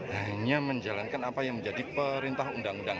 hanya menjalankan apa yang menjadi perintah undang undang